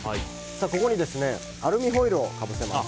ここにアルミホイルをかぶせます。